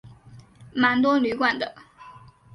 蛮多旅馆的